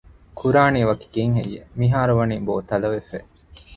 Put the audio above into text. ކުރާނީ ވަކި ކީއްހެއްޔެވެ؟ މިހާރު ވަނީ ބޯ ތަލަވެފަ